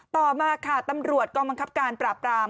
ต่อมาค่ะตำรวจกองบังคับการปราบราม